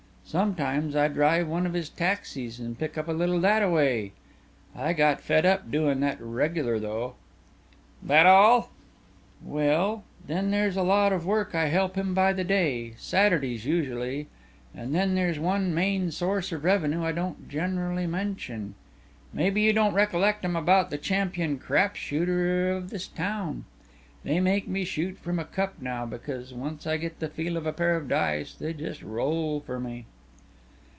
Sometimes I drive one of his taxies and pick up a little thataway. I get fed up doin' that regular though." "That all?" "Well, when there's a lot of work I help him by the day Saturdays usually and then there's one main source of revenue I don't generally mention. Maybe you don't recollect I'm about the champion crap shooter of this town. They make me shoot from a cup now because once I get the feel of a pair of dice they just roll for me."